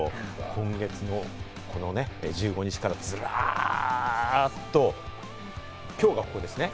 今月の１５日からずらっと、今日がここですね。